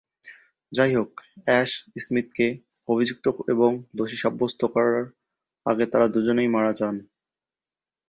যাইহোক, অ্যাশ-স্মিথকে অভিযুক্ত এবং দোষী সাব্যস্ত করার আগে তারা দুজনেই মারা যান।